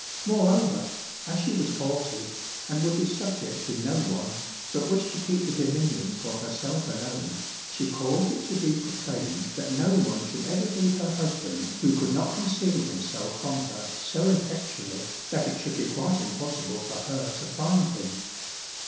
Moreover, as she was haughty, and would be subject to no one, but wished to keep the dominion for herself alone, she caused it to be proclaimed that no one should ever be her husband who could not conceal himself from her so effectually, that it should be quite impossible for her to find him.